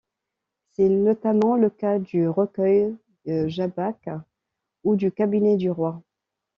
C'est notamment le cas du recueil Jabach ou du Cabinet du roi.